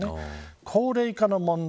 高齢化の問題